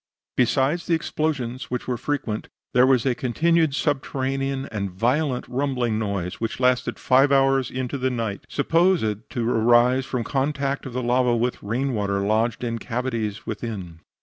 Besides the explosions, which were frequent, there was a continued subterranean and violent rumbling noise, which lasted five hours in the night, supposed to arise from contact of the lava with rain water lodged in cavities within.